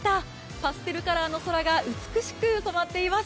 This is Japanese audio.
パステルカラーの空が美しく染まっています。